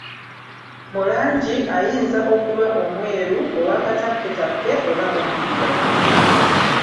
Mu langi, ayinza okuba omweru, owakatakketakke oba omuddugavu.